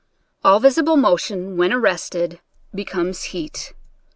All visible motion, when arrested, becomes heat.